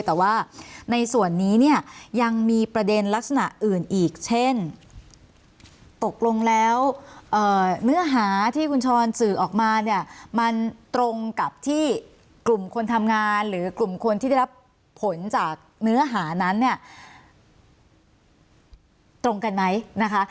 แต่ว่าในส่วนนี้เนี่ยยังมีประเด็นลักษณะอื่นอีกเช่นตกลงแล้วเนื้อหาที่คุณชรสื่อออกมาเนี่ยมันตรงกับที่กลุ่มคนทำงานหรือกลุ่มคนที่ได้รับผลจากเนื้อหานั้นเนี่ยตรงกันไหมนะคะ